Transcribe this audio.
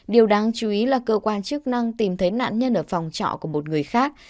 điều đáng chú ý là cơ quan chức năng tìm thấy nạn nhân ở phòng trọ của một người khác